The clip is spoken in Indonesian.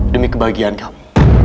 demi kebahagiaan kamu